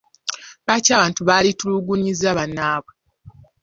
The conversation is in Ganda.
Lwaki abantu banditulugunyizza bannaabwe?